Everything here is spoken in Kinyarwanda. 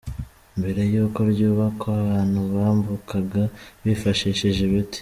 Mbere y’uko ryubakwa abantu bambukaga bifashishije ibiti.